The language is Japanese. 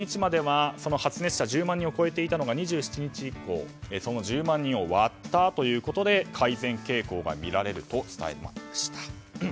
更に２６日までは発熱者１０万人を超えていたのが２７日以降１０万人を割ったということで改善傾向がみられると伝えていました。